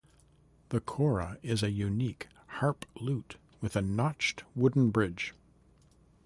The kora is a unique harp-lute with a notched wooden bridge.